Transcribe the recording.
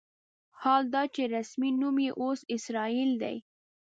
حال دا چې رسمي نوم یې اوس اسرائیل دی.